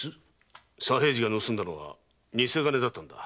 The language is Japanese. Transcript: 左平次が盗んだのは偽金だったんだ。